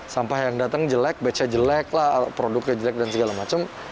sampah yang datang jelek batch nya jelek lah produknya jelek dan segala macem